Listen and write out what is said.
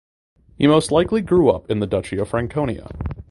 He most likely grew up in the Duchy of Franconia.